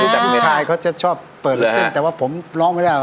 จากผู้ชายเขาจะชอบเปิดเต้นแต่ว่าผมร้องไม่ได้